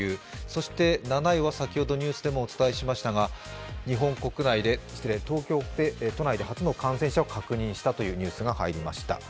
そして７位は先ほどニュースでもお伝えしましたが東京都内で初の感染者を確認したというニュースが入りました。